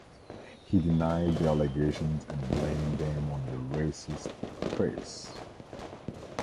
He denied the allegations and blamed them on the racist press.